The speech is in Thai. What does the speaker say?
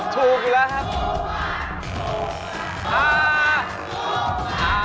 ถูกอีกแล้วครับ